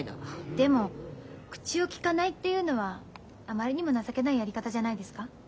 でも口をきかないっていうのはあまりにも情けないやり方じゃないですか？